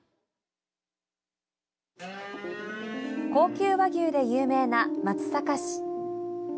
高級和牛で有名な松阪市。